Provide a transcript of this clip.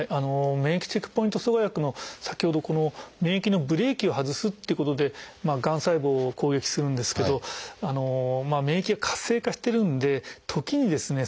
免疫チェックポイント阻害薬の先ほど免疫のブレーキを外すということでがん細胞を攻撃するんですけど免疫が活性化してるんで時にですね